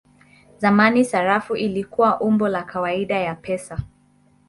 Zamani sarafu ilikuwa umbo la kawaida ya pesa.